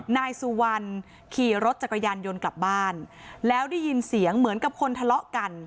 นายสุวรรณขี่รถจักรยานยนต์กลับบ้านแล้วได้ยินเสียงเหมือนกับคนทะเลาะกัน